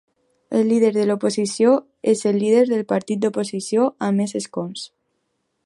El líder de l'oposició és el líder del partit d'oposició amb més escons.